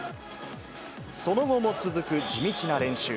その後も続く地道な練習。